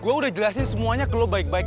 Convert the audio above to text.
gue udah jelasin semuanya ke lo baik baik